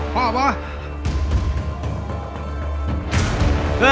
หาดู